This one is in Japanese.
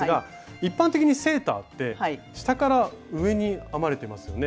一般的にセーターって下から上に編まれてますよね。